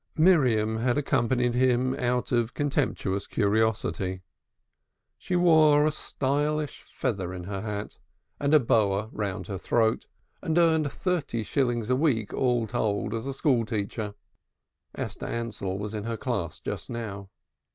Miriam had accompanied him out of contemptuous curiosity. She wore a stylish feather in her hat, and a boa round her throat, and earned thirty shillings a week, all told, as a school teacher. (Esther Ansell was in her class just now.)